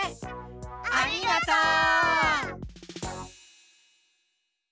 ありがとう！